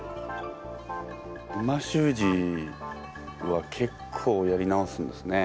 美味しゅう字は結構やり直すんですね